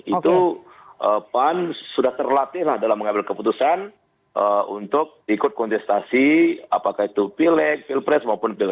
itu pan sudah terlatih dalam mengambil keputusan untuk ikut kontestasi apakah itu pil pres maupun pil capres